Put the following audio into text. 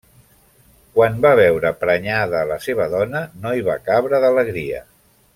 Quan va veure prenyada a la seva dona, no hi va cabre d'alegria.